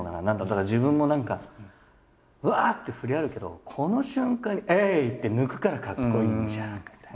自分も何かうわって振りあるけどこの瞬間にえいって抜くからかっこいいんじゃんみたいな。